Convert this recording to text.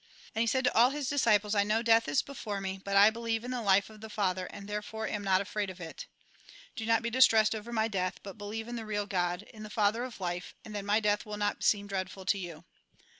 And he said to all his disciples :" I know death is before me, but I believe in the life of the Father, and therefore am not afraid of it. Do not be dis tressed over my death, but believe in the real God, in the Father of life, and then my death will not seem dreadful to you.